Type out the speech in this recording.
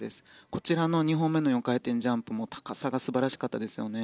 こちらの２本目の４回転ジャンプも高さが素晴らしかったですよね。